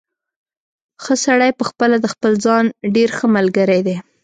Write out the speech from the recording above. ښه سړی پخپله د خپل ځان ډېر ښه ملګری دی.